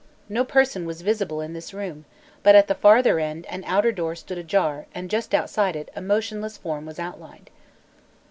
No person was visible in this room, but at the farther end an outer door stood ajar and just outside it a motionless form was outlined.